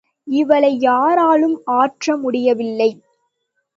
இவளை யாராலும் ஆற்ற முடியவில்லை.